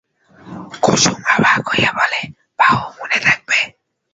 কুসুম অবাক হইয়া বলে, বাহু, মনে থাকবে না?